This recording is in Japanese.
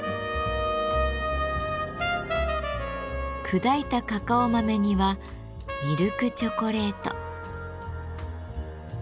砕いたカカオ豆にはミルクチョコレート。